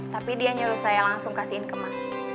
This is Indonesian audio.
tapi dia nyuruh saya langsung kasihin ke mas